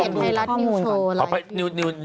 นี่เห็นไทยรัฐนิวโชว์อะไร